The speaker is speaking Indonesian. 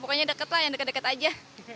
pokoknya deket lah yang deket deket aja